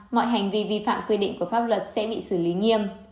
mọi hành vi vi phạm quy định của pháp luật sẽ bị xử lý nghiêm